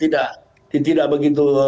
tidak begitu tidak begitu